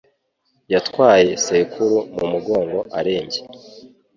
Yatwaye sekuru mu mugongo arembye .